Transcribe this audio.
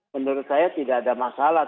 menurut saya tidak ada masalah